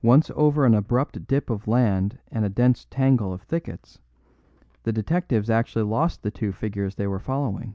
Once over an abrupt dip of land and a dense tangle of thickets, the detectives actually lost the two figures they were following.